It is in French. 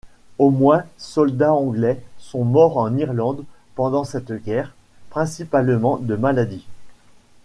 Au moins soldats anglais sont morts en Irlande pendant cette guerre, principalement de maladie.